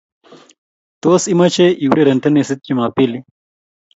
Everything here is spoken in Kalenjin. Tos, imache iureren tenisit jumapili